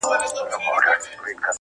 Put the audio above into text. سپی پر خپل مالک د حد له پاسه ګران ؤ.